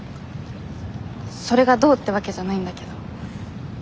それがどうってわけじゃないんだけど。